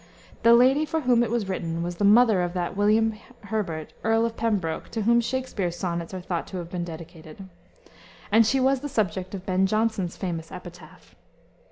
The lady for whom it was written was the mother of that William Herbert, Earl of Pembroke, to whom Shakspere's sonnets are thought to have been dedicated. And she was the subject of Ben Jonson's famous epitaph.